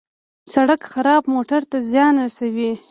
سړک خراب موټر ته زیان رسوي.